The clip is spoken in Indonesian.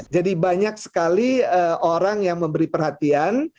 jadi banyak sekali orang yang memberi perhatian